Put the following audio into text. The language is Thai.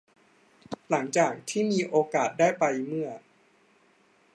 หลังจากที่มีโอกาสได้ไปเมื่อ